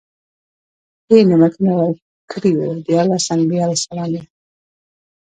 ډير نعمتونه ورکړي وو، ديارلس انبياء عليهم السلام ئي